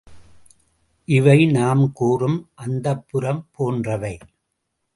இவை நாம் கூறும் அந்தப்புரம் போன்றவை.